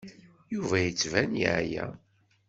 Yuba yettban yeɛya.